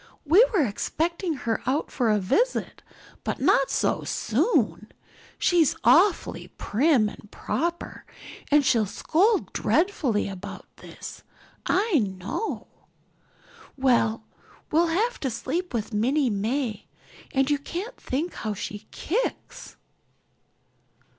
We were expecting her out for a visit, but not so soon. She's awfully prim and proper and she'll scold dreadfully about this, I know. Well, we'll have to sleep with Minnie May and you can't think how she kicks."